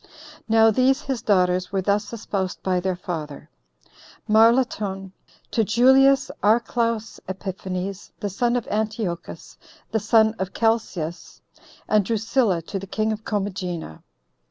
Now these his daughters were thus espoused by their father; Marlatone to Julius Archelaus Epiphanes, the son of Antiochus, the son of Chelcias; and Drusilla to the king of Commagena.